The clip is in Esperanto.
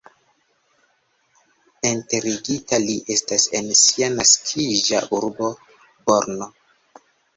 Enterigita li estas en sia naskiĝa urbo Brno.